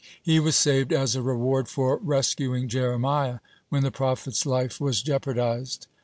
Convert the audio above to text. He was saved as a reward for rescuing Jeremiah when the prophet's life was jeopardized.